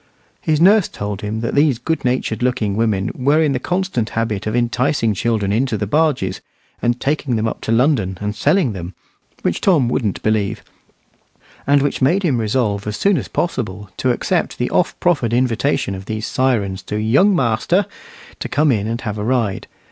His nurse told him that those good natured looking women were in the constant habit of enticing children into the barges, and taking them up to London and selling them, which Tom wouldn't believe, and which made him resolve as soon as possible to accept the oft proffered invitation of these sirens to "young master" to come in and have a ride.